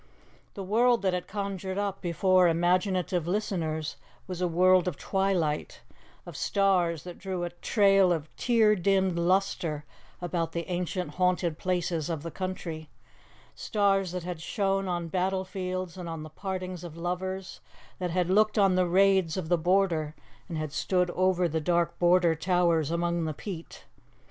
The world that it conjured up before imaginative listeners was a world of twilight; of stars that drew a trail of tear dimmed lustre about the ancient haunted places of the country; stars that had shone on battlefields and on the partings of lovers; that had looked on the raids of the border, and had stood over the dark border towers among the peat.